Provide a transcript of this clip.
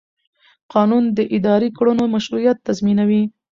قانون د اداري کړنو مشروعیت تضمینوي.